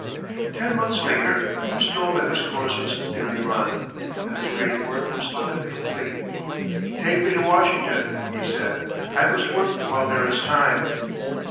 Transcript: Ten months later, he was told that his course was nearly run and his great work was still incomplete. "Take me to Washington," he said, "I must work while there is time."